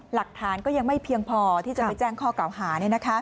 หลักฐานก็ยังไม่เพียงพอที่จะไปแจ้งข้อเก่าหา